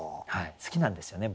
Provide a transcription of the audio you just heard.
好きなんですよね